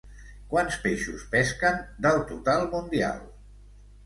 Quants peixos pesquen del total mundial?